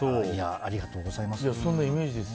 ありがとうございます。